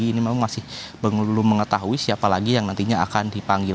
ini memang masih belum mengetahui siapa lagi yang nantinya akan dipanggil